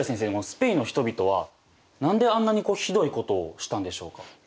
スペインの人々は何であんなにひどいことをしたんでしょうか？